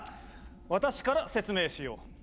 私から説明しよう。